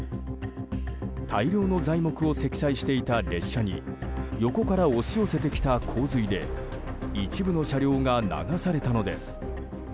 大量の材木を積載していた列車に横から押し寄せてきた洪水で一部の車両が流されたのです。